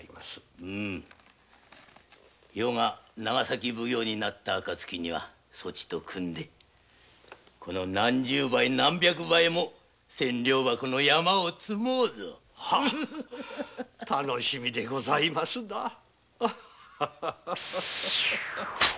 ウム余が長崎奉行になった時にはそちと組んでこの何十倍何百倍も千両箱の山を作ろうぞ！ハィ楽しみでございますなぁ。